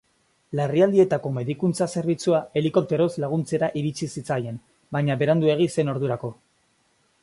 Larrialdietako medikuntza zerbitzua helikopteroz laguntzera iritsi zitzaien, baina beranduegi zen ordurako.